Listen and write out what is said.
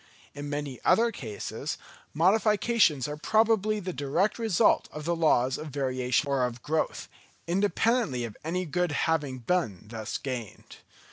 In many other cases, modifications are probably the direct result of the laws of variation or of growth, independently of any good having been thus gained.